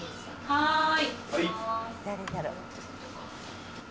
はい。